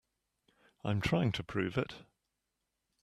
I'm trying to prove it.